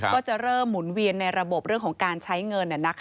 ก็จะเริ่มหมุนเวียนในระบบเรื่องของการใช้เงิน